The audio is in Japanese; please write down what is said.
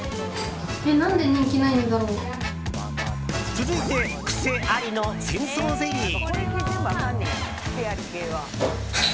続いて、癖ありの仙草ゼリー。